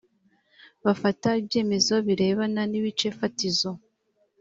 bafata ibyemezo birebana n ibice fatizo